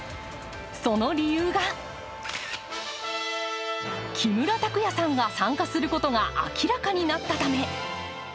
その理由が、木村拓哉さんが参加することが明らかになったため。